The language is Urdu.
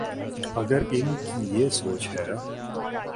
اگر ان کی یہ سوچ ہے۔